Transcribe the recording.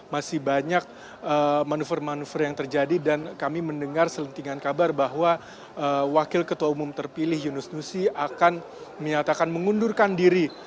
masih banyak manuver manuver yang terjadi dan kami mendengar selentingan kabar bahwa wakil ketua umum terpilih yunus nusi akan menyatakan mengundurkan diri